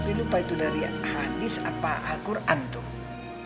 tapi lupa itu dari hadis apa al quran tuh